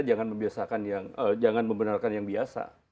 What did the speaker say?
jangan membenarkan yang biasa